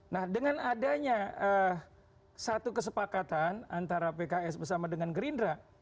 nah dengan adanya satu kesepakatan antara pks bersama dengan gerindra